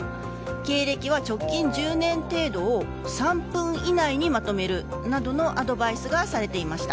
経歴は直近１０年程度を３分以内にまとめるなどのアドバイスがされていました。